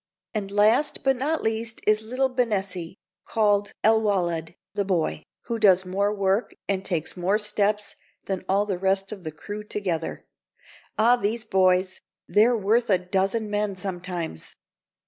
And last but not least is little Benessie, called "el wallad" (the boy), who does more work and takes more steps than all the rest of the crew together. Ah, these boys! they're worth a dozen men sometimes.